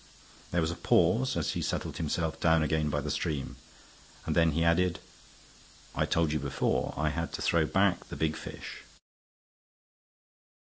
There was a pause as he settled himself down again by the stream; and then he added: "I told you before I had to throw back the big fish."